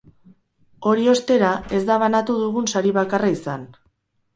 Hori, ostera, ez da banatu dugun sari bakarra izan.